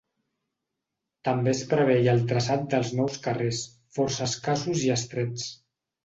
També es preveia el traçat dels nous carrers, força escassos i estrets.